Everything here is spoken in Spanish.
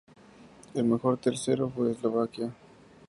El mejor tercero fue Eslovaquia.